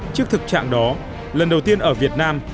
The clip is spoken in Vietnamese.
trước thực trạng đó lần đầu tiên ở việt nam